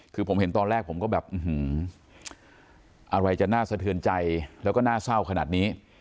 คือผมเห็นตอนแรกผมก็แบบอะไรจะน่าสะเทือนใจแล้วก็น่าเศร้าขนาดนี้